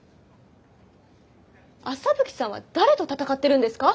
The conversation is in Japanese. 麻吹さんは誰と戦ってるんですか？